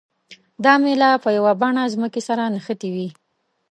دا میله په یوه بڼه ځمکې سره نښتې وي.